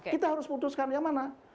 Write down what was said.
kita harus putuskan yang mana